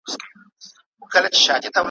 په ځنګله کي ګرځېدمه ستړی پلی `